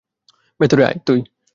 ভেতরে আয়, ভাই!